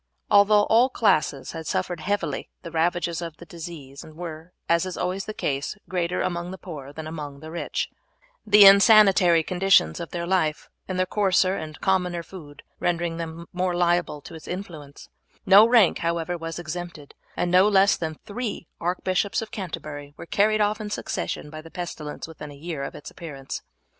Although all classes had suffered heavily the ravages of the disease were, as is always the case, greater among the poor than among the rich, the insanitary conditions of their life, and their coarser and commoner food rendering them more liable to its influence; no rank, however, was exempted, and no less than three Archbishops of Canterbury were carried off in succession by the pestilence within a year of its appearance.